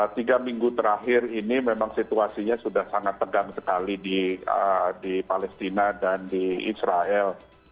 tiga minggu terakhir ini memang situasinya sudah sangat tegang sekali di palestina dan di israel